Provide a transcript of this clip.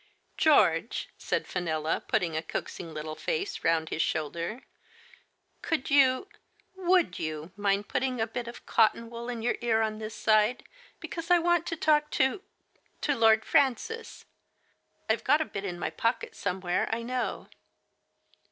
" George," said Fenella, putting a coaxing little face round his shoulder, " could you — would you mind putting a bit of cotton wool in your ear on this side, because I want to talk to — to Lord Francis ? IVe got a bit in my pocket somewhere, I know."